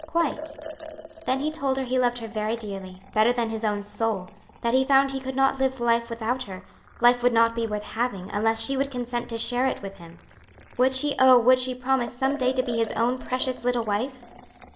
"Quite." Then he told her he loved her very dearly, better than his own soul; that he found he could not live without her; life would not be worth having, unless she would consent to share it with him. "Would she, oh! would she promise some day to be his own precious little wife?"